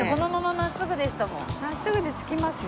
真っすぐで着きますよ。